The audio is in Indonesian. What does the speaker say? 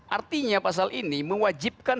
artinya pasal ini mewajibkan